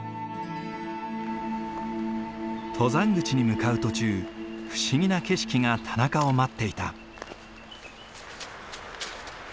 登山口に向かう途中不思議な景色が田中を待っていた。